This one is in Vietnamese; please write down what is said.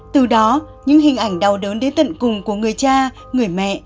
từ đó những hình ảnh đau đớn đến tận cùng của người cha người mẹ